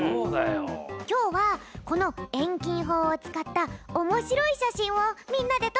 きょうはこのえんきんほうをつかったおもしろいしゃしんをみんなでとってみない？